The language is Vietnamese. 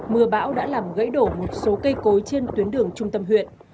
mưa bão đã làm gãy đổ một số cây cối trên tuyến đường trung tâm huyện